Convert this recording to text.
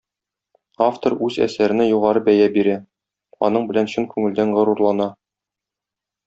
Автор үз әсәренә югары бәя бирә, аның белән чын күңелдән горурлана.